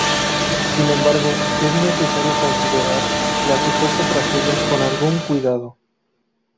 Sin embargo es necesario considerar la supuesta tragedia con algún cuidado.